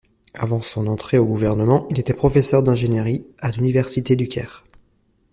Avant son entrée au gouvernement, il était professeur d'ingénierie à l'Université du Caire.